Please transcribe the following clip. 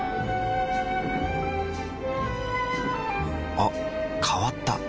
あ変わった。